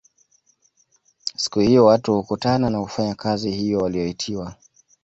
Siku hiyo watu hukutana na kufanya kazi hiyo waliyoitiwa